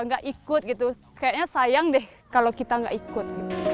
nggak ikut gitu kayaknya sayang deh kalau kita nggak ikut